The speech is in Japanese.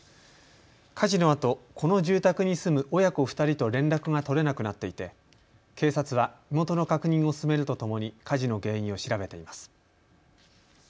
火事のあと、この住宅に住む親子２人と連絡が取れなくなっていて警察は身元の確認を進めるとともに火事の原因を調べています。